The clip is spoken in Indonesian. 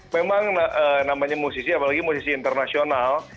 memang namanya musisi apalagi musisi internasional